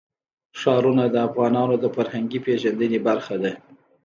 ښارونه د افغانانو د فرهنګي پیژندنې برخه ده.